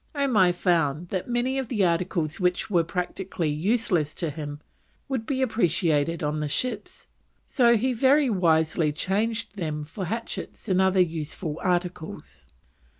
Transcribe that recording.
Omai found that many of the articles which were practically useless to him, would be appreciated on the ships, so he very wisely changed them for hatchets and other useful articles.